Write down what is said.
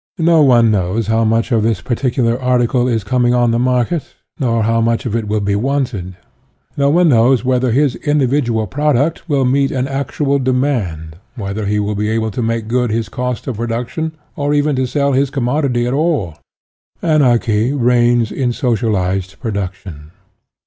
No one knows how much of his particular article is coming on the market, nor how much of it will be wanted. No one knows whether his individual product will meet an actual demand, whether he will be able to make good his cost of production or even to sell his commodity at all. Anarchy jrciqms in. socialized production.